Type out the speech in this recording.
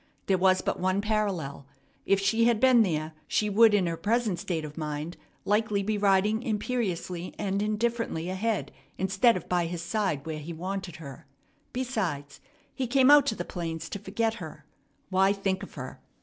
There was but one parallel. If she had been there, she would, in her present state of mind, likely be riding imperiously and indifferently ahead instead of by his side where he wanted her. Besides, he came out to the plains to forget her. Why think of her?